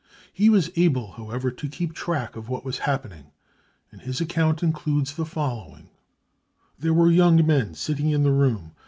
He was able, however, to keep track of what was happening, and his account includes the following : u There were young men sitting in the room.